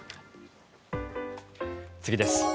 次です。